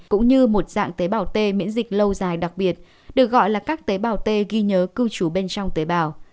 cũng như một dạng tế bào t miễn dịch lâu dài đặc biệt được gọi là các tế bào t ghi nhớ cư trú bên trong tế bào